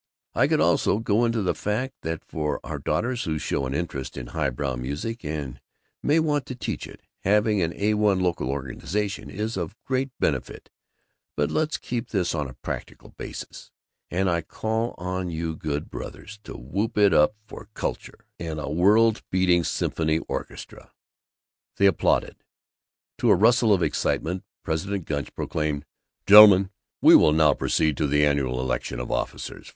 "I could also go into the fact that for our daughters who show an interest in highbrow music and may want to teach it, having an A1 local organization is of great benefit, but let's keep this on a practical basis, and I call on you good brothers to whoop it up for Culture and a World beating Symphony Orchestra!" They applauded. To a rustle of excitement President Gunch proclaimed, "Gentlemen, we will now proceed to the annual election of officers."